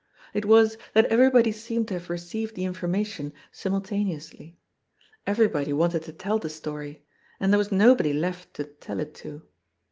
It was that everybody seemed to have received the informa tion simultaneously. Everybody wanted to tell the story, and there was nobody left to tell it to.